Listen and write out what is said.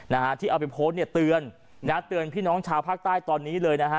นะฮะที่เอาไปโพสต์เนี่ยเตือนนะฮะเตือนพี่น้องชาวภาคใต้ตอนนี้เลยนะฮะ